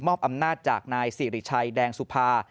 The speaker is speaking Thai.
อำนาจจากนายสิริชัยแดงสุภา